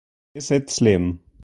Is it slim?